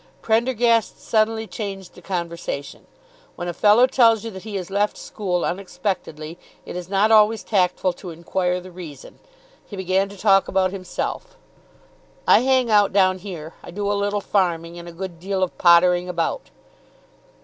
Prendergast suddenly changed the conversation. When a fellow tells you that he has left school unexpectedly, it is not always tactful to inquire the reason. He began to talk about himself. "I hang out down here. I do a little farming and a good deal of pottering about."